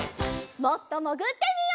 もっともぐってみよう。